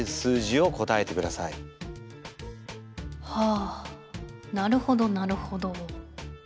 あなるほどなるほど。